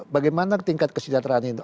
bagaimana tingkat kesedaran itu